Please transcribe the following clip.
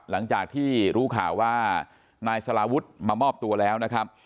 หลังจากที่รู้ข่าวว่านายสลาวุฒิมามอบตัวแล้วนะครับ